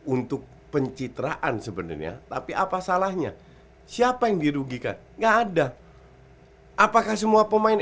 untuk pencitraan sebenarnya tapi apa salahnya siapa yang dirugikan enggak ada apakah semua pemain